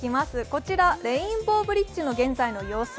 こちらレインボーブリッジの現在の様子。